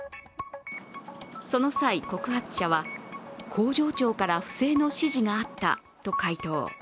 その際、告発者は、工場長から不正の指示があったと回答。